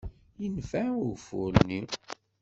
Yenfeε ugeffur-nni.